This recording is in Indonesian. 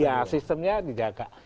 ya sistemnya dijaga